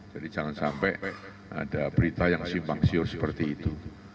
jadi jangan sampai ada berita yang simpang siur seperti itu